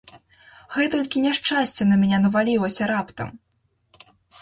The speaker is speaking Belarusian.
Гэтулькі няшчасця на мяне навалілася раптам!